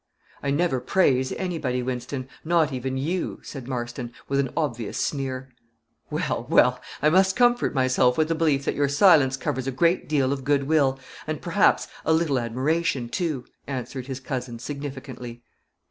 "I never praise anybody, Wynston; not even you," said Marston, with an obvious sneer. "Well, well, I must comfort myself with the belief that your silence covers a great deal of good will, and, perhaps, a little admiration, too," answered his cousin, significantly.